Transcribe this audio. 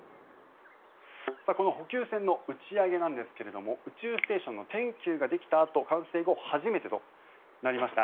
この補給船の打ち上げなんですが宇宙ステーションの天宮ができたあと完成後初めてとなりました。